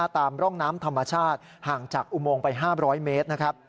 ตามร่องน้ำธรรมชาติห่างจากอุโมงไป๕๐๐เมตรนะครับ